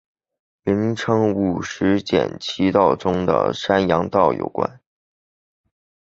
名称与五畿七道中的山阳道有关。